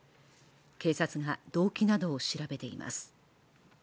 警察が動機などを調べています。